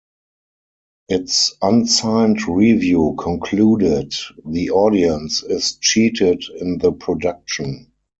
Its unsigned review concluded: The audience is cheated in the production.